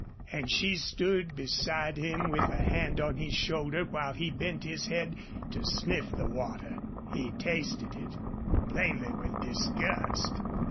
And she stood beside him with a hand on his shoulder while he bent his head to sniff at the water. He tasted it, plainly with disgust.